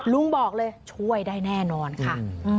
ลุงบอกเลยช่วยได้แน่นอนค่ะ